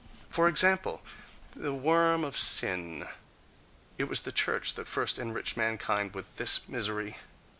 For example, the worm of sin: it was the church that first enriched mankind with this misery!